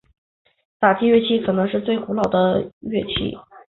打击乐器可能是最古老的乐器。